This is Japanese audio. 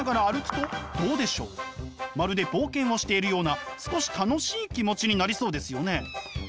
まるで冒険をしているような少し楽しい気持ちになりそうですよね。